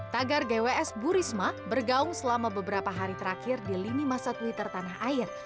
tagar gws bu risma bergaung selama beberapa hari terakhir di lini masa twitter tanah air